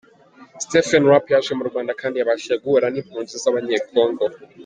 Stephen Rapp yaje mu Rwanda kandi yabashije guhura n’impunzi z’Abanyekongo.